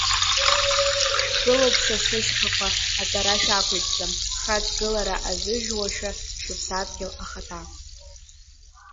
Шәгылоуп, са сышьхақәа, атәара шәақәиҭӡам, хаҵгылара азыжәуашәа шәыԥсадгьыл ахаҭа.